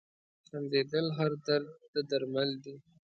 • خندېدل هر درد ته درمل دي.